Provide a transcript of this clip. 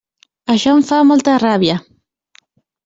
Això em fa molta ràbia.